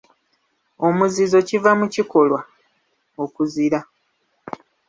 Omuzizo kiva mu kikolwa okuzira.